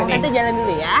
nanti jalan dulu ya